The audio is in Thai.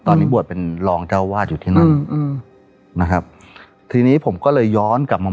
ตอนนี้บวชเป็นรองเจ้าวาดอยู่ที่นั่นอืมนะครับทีนี้ผมก็เลยย้อนกลับมา